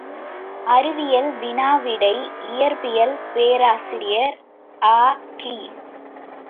அறிவியல் வினா விடை இயற்பியல் பேராசிரியர் அ.கி.